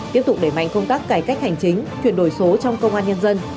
tiếp tục đẩy mạnh công tác cải cách hành chính chuyển đổi số trong công an nhân dân